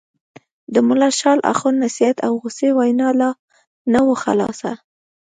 د ملا شال اخُند نصیحت او غوسې وینا لا نه وه خلاصه.